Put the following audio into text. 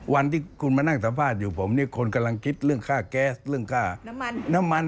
วันที่คุณมานั่งสัมภาษณ์อยู่ผมเนี่ยคนกำลังคิดเรื่องค่าแก๊สเรื่องค่าน้ำมันน้ำมัน